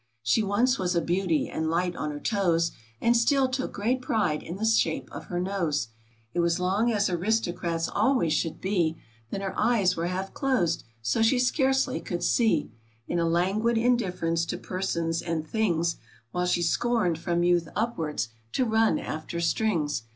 She once was a beauty, and light on her toes, And still took great pride in the shape of her nose ; It was long as aristocrat's always should be; Then her eyes were half closed so she scarcely could see, In a languid indifference to persons and things, While she scorned, from youth upwards, to run after strings.